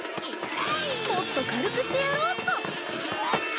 もっと軽くしてやろうっと。